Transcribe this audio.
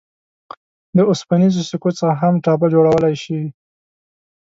د اوسپنیزو سکو څخه هم ټاپه جوړولای شئ.